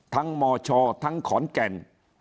มชทั้งขอนแก่น